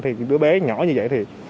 thì đứa bé nhỏ như vậy thì